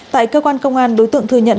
tại cơ quan công an đối tượng thừa nhận